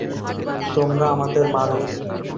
তোমরা আমাদের মার।